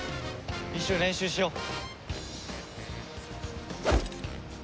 一緒に練習しよう。